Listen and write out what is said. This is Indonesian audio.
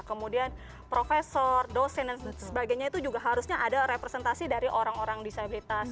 kemudian profesor dosen dan sebagainya itu juga harusnya ada representasi dari orang orang disabilitas